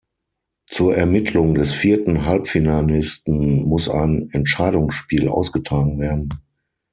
Zur Ermittlung des vierten Halbfinalisten muss ein Entscheidungsspiel ausgetragen werden.